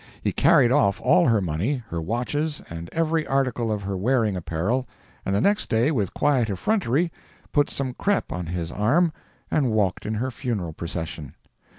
He carried off all her money, her watches, and every article of her wearing apparel, and the next day, with quiet effrontery, put some crepe on his arm and walked in her funeral procession.